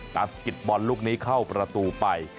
สกิดบอลลูกนี้เข้าประตูไป